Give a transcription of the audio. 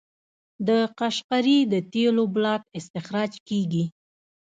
د قشقري د تیلو بلاک استخراج کیږي.